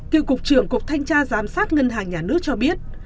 cựu cục trưởng cục thanh tra giám sát ngân hàng nhà nước cho biết